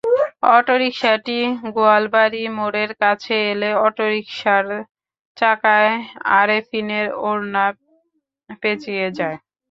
অটোরিকশাটি গোয়ালবাড়ি মোড়ের কাছে এলে অটোরিকশার চাকায় আরেফিনের ওড়না পেঁচিয়ে যায়।